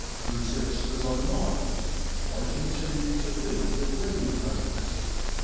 Resist as I might, I continued to think of wedding cakes.